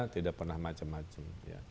tidak pernah macem macem